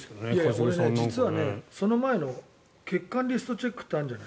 俺、実はその前の血管リストチェックってあるじゃない。